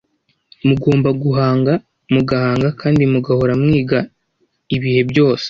Mugomba guhanga, mugahanga, kandi mugahora mwiga ibihe byose